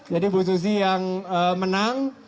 jadi bu susi yang menang